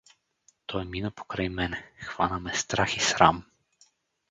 Той мина покрай мене, хвана ме страх и срам.